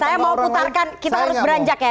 saya mau putarkan kita harus beranjak ya